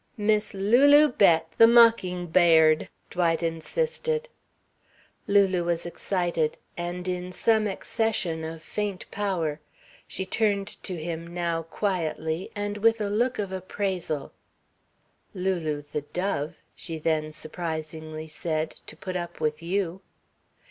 "Miss Lulu Bett, the mocking ba ird!" Dwight insisted. Lulu was excited, and in some accession of faint power. She turned to him now, quietly, and with a look of appraisal. "Lulu the dove," she then surprisingly said, "to put up with you."